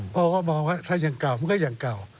พ่อก็มองว่ายังเก่ามันก็ต้องยังเก่า